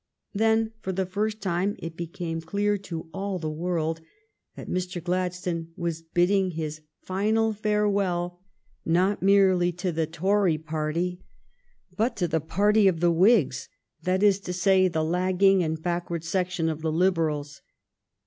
Then for the first time it became clear to all the world that Mr. Gladstone was bidding his final farew^ell not merely to the Tory party but 228 THE STORY OF GLADSTONE'S LIFE to the party of the Whigs — that is to say, the lagging and backward section of the Liberals.